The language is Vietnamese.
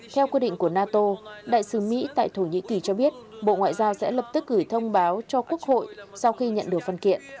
theo quy định của nato đại sứ mỹ tại thổ nhĩ kỳ cho biết bộ ngoại giao sẽ lập tức gửi thông báo cho quốc hội sau khi nhận được phân kiện